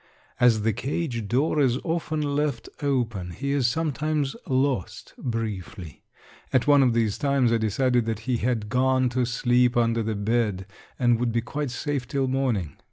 As the cage door is often left open he is sometimes "lost" briefly. At one of these times I decided that he had gone to sleep under the bed and would be quite safe till morning.